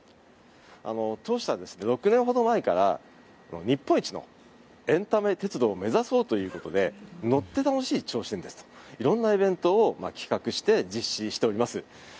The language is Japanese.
当社は６年ほど前から日本一のエンタメ鉄道を目指そうということで乗って楽しい銚子電鉄と色んなイベントを企画して実施しております。